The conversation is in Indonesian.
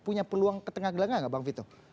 punya peluang ke tengah gelanggang nggak bang vito